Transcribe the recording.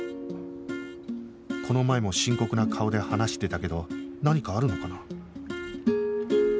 この前も深刻な顔で話してたけど何かあるのかな？